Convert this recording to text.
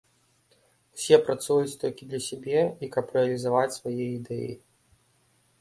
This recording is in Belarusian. Усе працуюць толькі для сябе, і каб рэалізаваць свае ідэі.